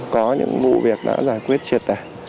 có những vụ việc đã giải quyết triệt đại